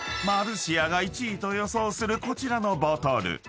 ［マルシアが１位と予想するこちらのボトル］